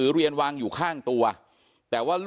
เป็นมีดปลายแหลมยาวประมาณ๑ฟุตนะฮะที่ใช้ก่อเหตุ